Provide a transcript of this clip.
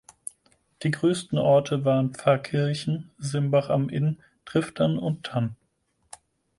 Die größten Orte waren Pfarrkirchen, Simbach am Inn, Triftern und Tann.